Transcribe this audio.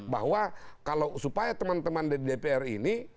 bahwa kalau supaya teman teman di dpr ini